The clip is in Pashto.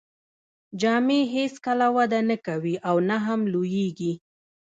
جامې هیڅکله وده نه کوي او نه هم لوییږي.